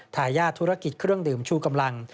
ทายาทธุรกิจเครื่องดื่มชูกำลัง